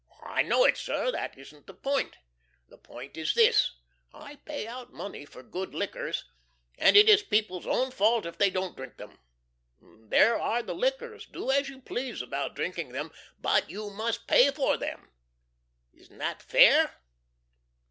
"I know it, sir. That isn't the point. The point is this: I pay out money for good liquors, and it is people's own fault if they don't drink them. There are the liquors do as you please about drinking them, BUT YOU MUST PAY FOR THEM! Isn't that fair?"